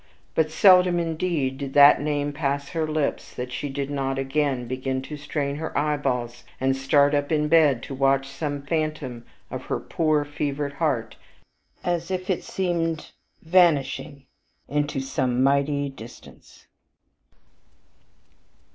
But seldom, indeed, did that name pass her lips that she did not again begin to strain her eyeballs, and start up in bed to watch some phantom of her poor, fevered heart, as if it seemed vanishing into some mighty distance.